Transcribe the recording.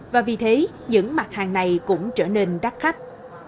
và vì thế những mặt hàng này cũng trở nên đắt khách